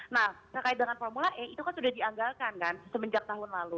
nah terkait dengan formula e itu kan sudah dianggalkan kan semenjak tahun lalu